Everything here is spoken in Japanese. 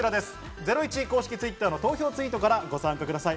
ゼロイチ公式Ｔｗｉｔｔｅｒの投票ツイートからご参加ください。